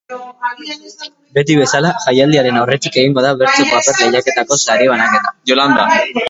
Beti bezala, jaialdiaren aurretik egingo da bertso-paper lehiaketako sari-banaketa.